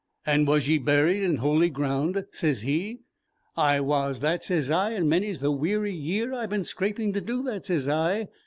'And was ye buried in holy ground?' sez he. 'I was that,' sez I; 'and many's the weary year I've been scraping to do that,' sez I.